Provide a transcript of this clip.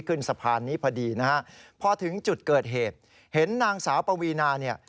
ขึ้นสะพานนี้พอดีนะฮะพอถึงจุดเกิดเหตุเห็นนางสาวปวีนาเนี่ย